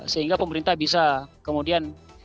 sehingga pemerintah bisa kemudian